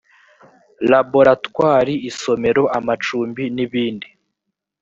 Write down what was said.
laboratwari isomero amacumbi n ibindi